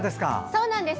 そうなんです。